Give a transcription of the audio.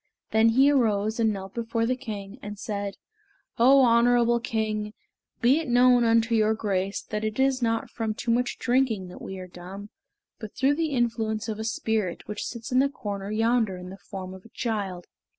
Then he arose and knelt before the king, and said, "Oh, honorable king, be it known unto your grace that it is not from too much drinking that we are dumb, but through the influence of a spirit which sits in the corner yonder in the form of a child."